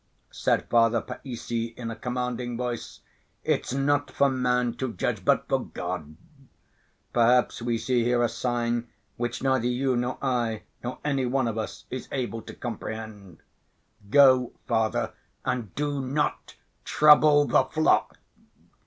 said Father Païssy, in a commanding voice, "it's not for man to judge but for God. Perhaps we see here a 'sign' which neither you, nor I, nor any one of us is able to comprehend. Go, Father, and do not trouble the flock!"